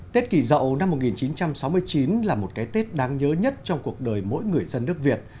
tết kỳ dậu năm một nghìn chín trăm sáu mươi chín là một cái tết đáng nhớ nhất trong cuộc đời mỗi người dân nước việt